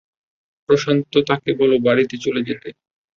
প্রশান্থ তাকে বলো বাড়িতে চলে যেতে।